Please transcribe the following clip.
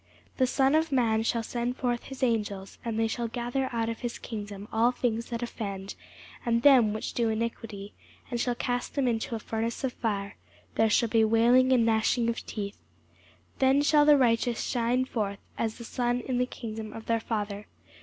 The Son of man shall send forth his angels, and they shall gather out of his kingdom all things that offend, and them which do iniquity; and shall cast them into a furnace of fire: there shall be wailing and gnashing of teeth. Then shall the righteous shine forth as the sun in the kingdom of their Father.